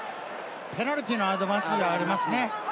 ペナルティーのアドバンテージはありますね。